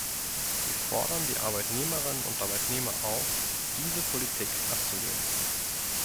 Wir fordern die Arbeitnehmerinnen und Arbeitnehmer auf, diese Politik abzulehnen.